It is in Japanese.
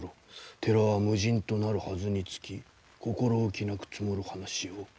寺は無人となるはずにつきこころおきなくつもる話を。